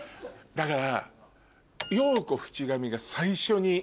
だから。